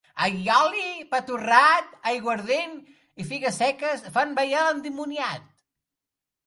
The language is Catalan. Allioli, pa torrat, aiguardent i figues seques fan ballar endimoniat.